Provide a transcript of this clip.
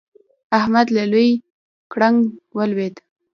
احمد له لوی ګړنګ ولوېد.